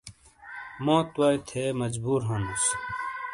موت وائی تھے مجبور ہنوس۔